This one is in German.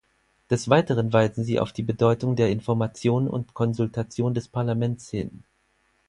Des Weiteren weisen Sie auf die Bedeutung der Information und Konsultation des Parlaments hin.